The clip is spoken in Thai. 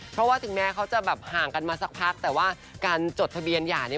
เพราะว่าถึงแม้เขาจะแบบห่างกันมาสักพักแต่ว่าการจดทะเบียนหย่าเนี่ย